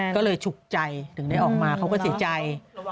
ก็เลยฉุกใจถึงได้ออกมาเขาก็เสียใจ